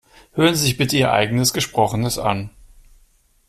Hören Sie sich bitte Ihr eigenes Gesprochenes an.